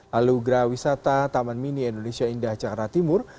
lalu geraha wisata taman mini indonesia indah jakarta timur